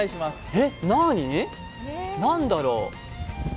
えっ、何だろう？